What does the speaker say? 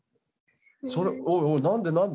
それおいおい何で何で？